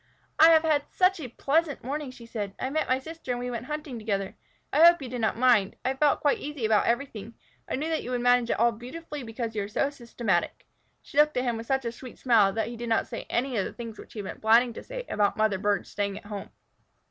"I have had such a pleasant morning," she said. "I met my sister and we went hunting together. I hope you did not mind. I felt quite easy about everything. I knew that you would manage it all beautifully, because you are so systematic." She looked at him with such a sweet smile that he did not say any of the things which he had been planning to say about mother birds staying at home.